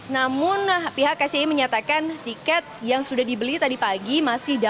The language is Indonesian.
namun pihak kci menyatakan tiket yang sudah dibeli tadi pagi masih dapat